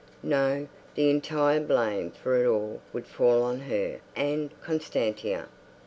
No, the entire blame for it all would fall on her and Constantia.